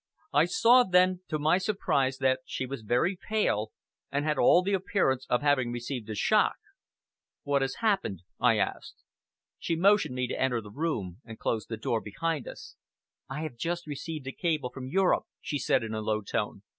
I saw then, to my surprise, that she was very pale, and had all the appearance of having received a shock. "What has happened?" I asked. She motioned me to enter the room, and closed the door behind us. "I have just received a cable from Europe," she said in a low tone.